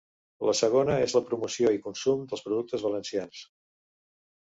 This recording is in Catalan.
La segona és la promoció i consum dels productes valencians.